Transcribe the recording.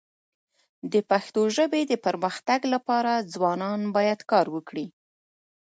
د پښتو ژبي د پرمختګ لپاره ځوانان باید کار وکړي.